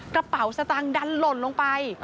กระเป๋าสตางค์ดันหล่นลงไป